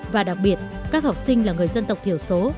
và đặc biệt các học sinh là người dân tộc thiểu số